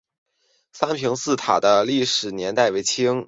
三平寺塔殿的历史年代为清。